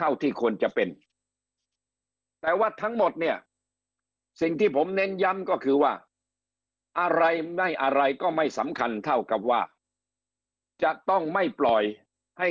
อะไรไม่อะไรก็ไม่สำคัญเท่ากับว่าจะต้องไม่ปล่อยให้